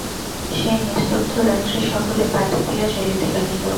সেই নিস্তব্ধ রাত্রে সকলে পা টিপিয়া চলিতে লাগিল।